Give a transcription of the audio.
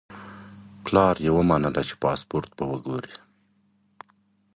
پلار یې ومنله چې پاسپورت به وګوري.